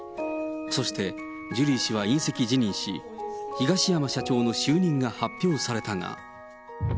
そしてジュリー氏は引責辞任し、東山社長の就任が発表されたが。